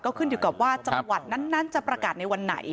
ขึ้นอยู่กับว่าจังหวัดนั้นจะประกาศในวันไหน